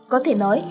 có thể nói